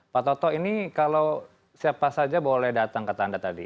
pak toto ini kalau siapa saja boleh datang ke tanda tadi